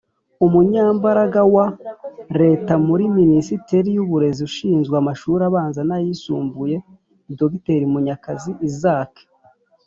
Umunyamabanga wa Leta muri Minisiteri y’Uburezi ushinzwe amashuri abanza n’ayisumbuye, Dr Munyakazi Isaac